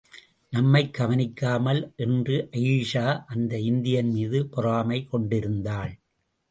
நம்மைக் கவனிக்காமல் என்று அயீஷா அந்த இந்தியன் மீது பொறாமை கொண்டிருந்தாள்.